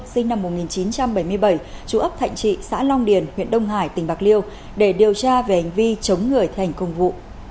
sinh năm một nghìn chín trăm bảy mươi bảy chú ấp thạnh trị xã long điền huyện đông hải tỉnh bạc liêu để điều tra về hành vi chống người thi hành công vụ